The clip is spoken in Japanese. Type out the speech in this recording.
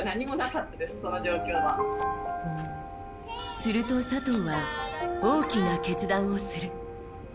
すると佐藤は大きな決断をする。